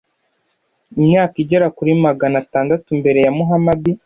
imyaka igera kuri magana tandatu mbere ya muhamadi